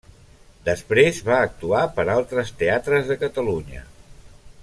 Després va actuar per altres teatres de Catalunya.